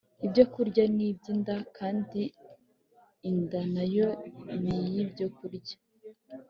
Ibyo kurya ni iby’ inda kandi inda nayo niyi byo kurya